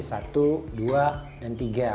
satu dua dan tiga